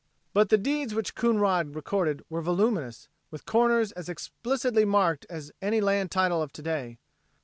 But the deeds which Coonrod recorded were voluminous, with corners as explicitly marked as any land title of to day.